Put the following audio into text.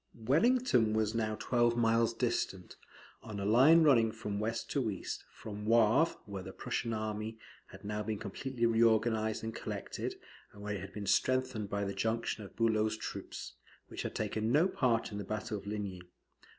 Wellington was now about twelve miles distant, on a line running from west to east, from Wavre, where the Prussian army had now been completely reorganised and collected, and where it had been strengthened by the junction of Bulow's troops, which had taken no part in the battle of Ligny.